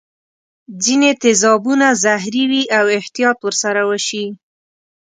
ځیني تیزابونه زهري وي او احتیاط ور سره وشي.